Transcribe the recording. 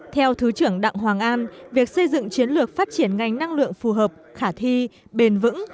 theo thứ trưởng đặng hoàng an việc xây dựng chiến lược phát triển ngành năng lượng phù hợp khả thi bền vững